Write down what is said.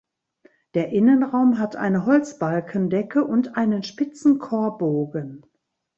Der Innenraum hat eine Holzbalkendecke und einen spitzen Chorbogen.